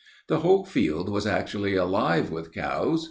The whole field was actually alive with cows.